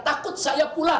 mereka takut kalau saya pulang